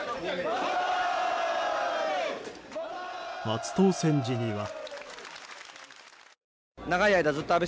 初当選時には。